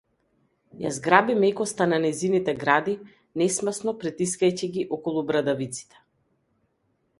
Ја зграби мекоста на нејзините гради, несмасно пристискајќи ги околу брадавиците.